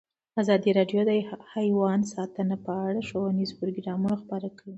ازادي راډیو د حیوان ساتنه په اړه ښوونیز پروګرامونه خپاره کړي.